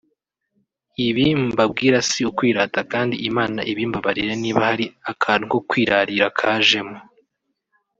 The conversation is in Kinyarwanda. ibi mbabwira si ukwirata kandi Imana ibimbabarire niba hari akantu ko kwirarira kajemo